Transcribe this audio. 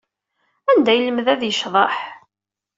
Anda ay yelmed ad yecḍeḥ?